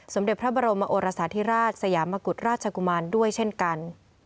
สมเด็จพระบรมโอรสาธิราชสยามกุฎราชกุมารด้วยเช่นกัน